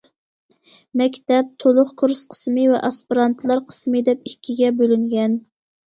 مەكتەپ تولۇق كۇرس قىسمى ۋە ئاسپىرانتلار قىسمى دەپ ئىككىگە بۆلۈنگەن.